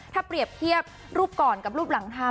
ถ้าเปรียบเทียบรูปก่อนกับรูปหลังเท้า